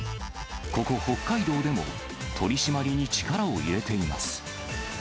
ここ北海道でも、取締りに力を入れています。